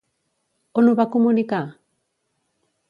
On ho va comunicar?